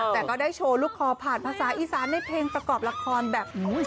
แต่ก็ได้โชว์ลูกคอผ่านภาษาอีสานในเพลงประกอบละครแบบ